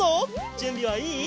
じゅんびはいい？